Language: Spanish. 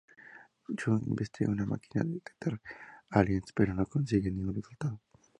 Yuu investiga con una máquina de detectar aliens, pero no consigue ningún resultado.